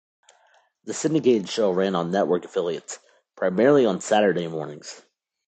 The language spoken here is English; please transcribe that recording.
The syndicated show ran on network affiliates, primarily on Saturday mornings.